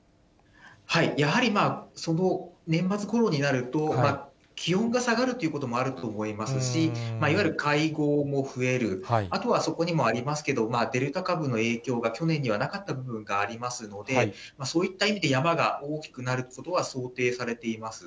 やはり年末ごろになると、気温が下がるということもあると思いますし、いわゆる会合も増える、あとはそこにもありますけど、デルタ株の影響が去年にはなかった部分がありますので、そういった意味で山が大きくなることは想定されています。